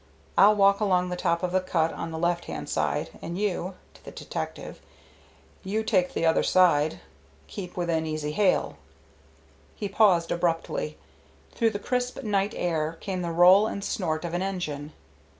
I'll walk along the top of the cut on the left hand side, and you " to the detective "you take the other side. Keep within easy hail " He paused abruptly. Through the crisp night air came the roll and snort of an engine.